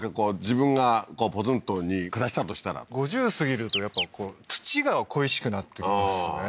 自分がポツンとに暮らしたとしたら５０過ぎるとやっぱ土が恋しくなってきますね